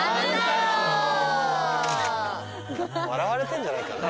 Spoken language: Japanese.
笑われてんじゃないかな？